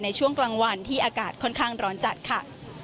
ในช่วงกลางวันที่อากาศค่อนข้างร้อนจัดค่ะ